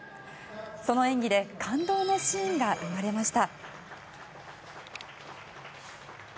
その演技で感動のシーンが生まれました。